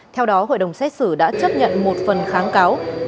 theo đó hội đồng xét xử đã chấp nhận một phần kháng cáo